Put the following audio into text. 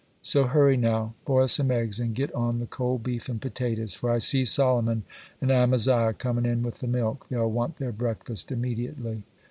So hurry, now, boil some eggs, and get on the cold beef and potatoes, for I see Solomon and Amaziah coming in with the milk. They'll want their breakfast immediately.